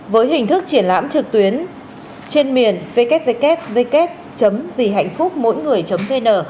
với hình thức triển lãm trực tuyến trên miền www vihạnhphucmỗingười vn